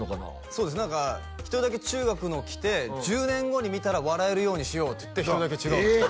そうです何か１人だけ中学の着て１０年後に見たら笑えるようにしようって言って１人だけ違うのええ！